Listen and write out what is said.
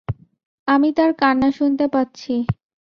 আমি তার কান্না শুনতে পাচ্ছি।